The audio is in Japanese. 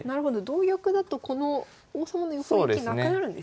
同玉だとこの王様の横利きなくなるんですね。